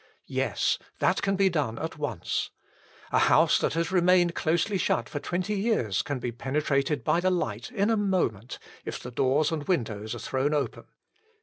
Yes : that can be done at once. A house that has remained closely shut for twenty years can be penetrated by the light in a moment, if the doors and windows are thrown open.